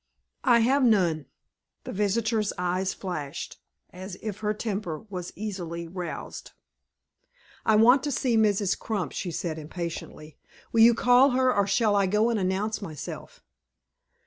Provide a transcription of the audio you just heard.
"I have none." The visitor's eyes flashed, as if her temper was easily roused. "I want to see Mrs. Crump," she said, impatiently. "Will you call her, or shall I go and announce myself?"